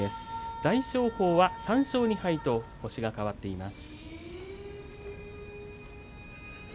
大翔鵬は３勝２敗と星が変わっています。